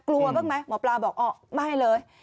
กลัวบ้างไหมหมอปลาบอกอ๋อไม่เลย